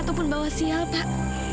ataupun bawa sial pak